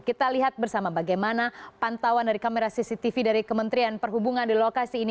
kita lihat bersama bagaimana pantauan dari kamera cctv dari kementerian perhubungan di lokasi ini